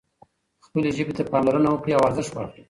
خپلې ژبې ته پاملرنه وکړئ او ارزښت ورکړئ.